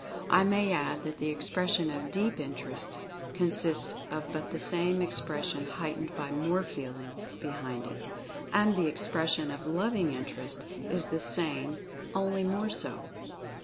I may add that the expression of Deep Interest consists of but the same expression heightened by more feeling be hind it ; and the expression of Loving Interest is the same, "only more so."